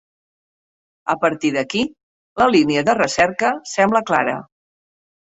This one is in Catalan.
A partir d'aquí, la línia de recerca sembla clara.